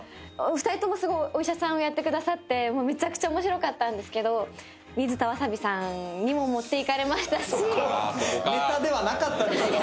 お二人ともお医者さんをやってくださってめちゃくちゃ面白かったんですけど水田わさびさんにも持っていかれましたし。